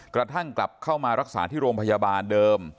กระทั่งกลับเข้ามารักษาที่โรงพยาบาลเดิม